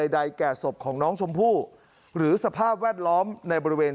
ใดแก่ศพของน้องชมพู่หรือสภาพแวดล้อมในบริเวณ